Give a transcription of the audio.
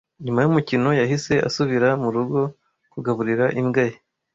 Nyuma yumukino, yahise asubira murugo kugaburira imbwa ye.